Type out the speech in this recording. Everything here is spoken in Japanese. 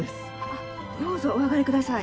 あっどうぞお上がりください。